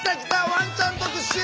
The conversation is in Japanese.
ワンちゃん特集！